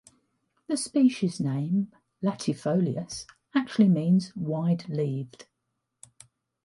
The species name "latifolius" actually means "wide-leaved".